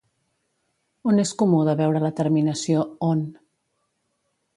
On és comú de veure la terminació "on"?